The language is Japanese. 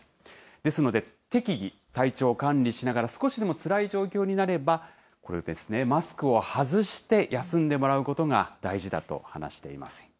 ですので、適宜、体調を管理しながら少しでもつらい状況になれば、これですね、マスクを外して休んでもらうことが大事だと話しています。